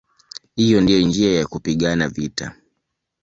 Hiyo ndiyo njia ya kupigana vita".